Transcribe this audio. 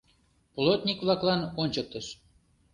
Плотник-влаклан ончыктыш.